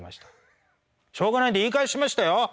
しょうがないんで言い返しましたよ。